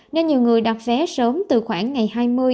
nên nhiều người đặt vé sớm từ khoảng ngày hai mươi